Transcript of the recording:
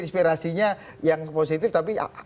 inspirasinya yang positif tapi